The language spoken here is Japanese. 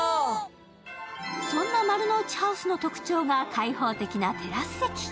そんな丸の内ハウスの特徴は開放的なテラス席。